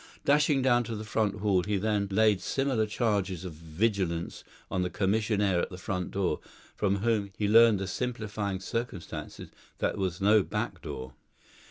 Dashing down to the front hall he then laid similar charges of vigilance on the commissionaire at the front door, from whom he learned the simplifying circumstances that there was no back door.